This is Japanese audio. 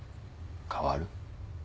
変わる？